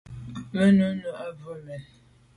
Me num nu à bû mèn i.